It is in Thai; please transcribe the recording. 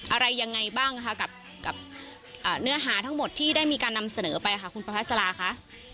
อะไรยังไงบ้างนะคะกับเนื้อหาทั้งหมดที่ได้มีการนำเสนอไปค่ะคุณประพัสลาคะ